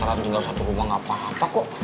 kalau kita tinggal satu rumah gapapa kok